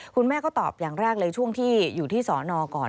คุณแม่ก็ตอบอย่างแรกเลยช่วงที่อยู่ที่สอนอก่อน